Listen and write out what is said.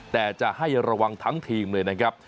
แต่จะให้ระวังทั้งทีมเลยนะครับ